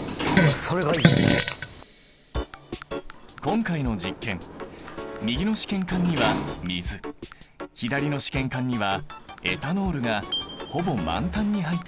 今回の実験右の試験管には水左の試験管にはエタノールがほぼ満タンに入っている。